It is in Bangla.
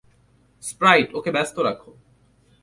স্প্রাইট, ওকে ব্যস্ত রাখো!